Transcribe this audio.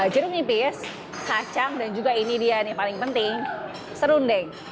jeruk nipis kacang dan juga ini dia nih paling penting serundeng